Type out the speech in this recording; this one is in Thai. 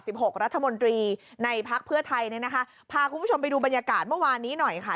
หกรัฐมนตรีในพักเพื่อไทยเนี่ยนะคะพาคุณผู้ชมไปดูบรรยากาศเมื่อวานนี้หน่อยค่ะ